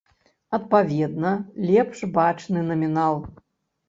Адпаведна, лепш бачны намінал.